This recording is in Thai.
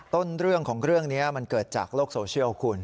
ต้นเรื่องของเรื่องนี้มันเกิดจากโลกโซเชียลคุณ